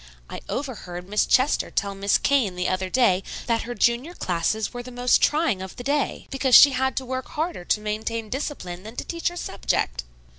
I overheard Miss Chester tell Miss Kane the other day that her junior classes were the most trying of the day, because she had to work harder to maintain discipline than to teach her subject."